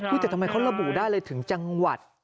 แต่ทำไมเขาระบุได้เลยถึงจังหวัด